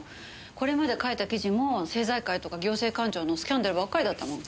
これまで書いた記事も政財界とか行政官庁のスキャンダルばっかりだったもの。